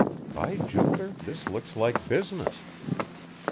By Jupiter, this looks like business.